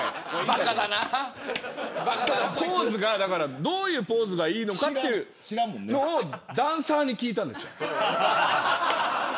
ポーズもどういうポーズがいいのかというのをダンサーに聞いたんです。